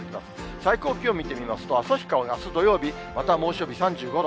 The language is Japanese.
最高気温見てみますと、旭川があす土曜日、また猛暑日、３５度。